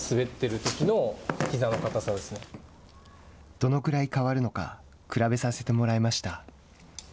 どのくらい変わるのか比べさせてもらいました。